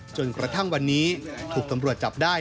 จนกระทั่งวันนี้ถูกตำรวจจับได้